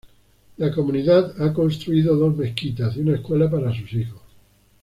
La comunidad ha construido dos mezquitas y una escuela para sus hijos.